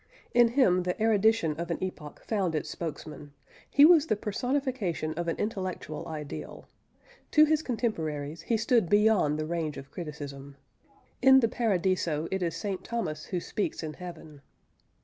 " In him the erudition of an epoch found its spokesman; he was the personification of an intellectual ideal. To his contemporaries he stood beyond the range of criticism. In the Paradiso (x.8.2) it is St. Thomas who speaks in heaven.